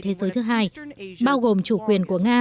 thế giới thứ hai bao gồm chủ quyền của nga